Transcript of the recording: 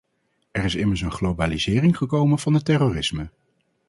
Er is immers een globalisering gekomen van het terrorisme.